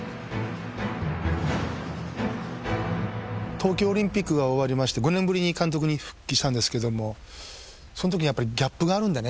東京オリンピックが終わりまして５年ぶりに監督に復帰したんですけどもそのときにやっぱりギャップがあるんでね